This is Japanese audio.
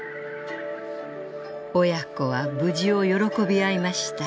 親子は無事を喜び合いました。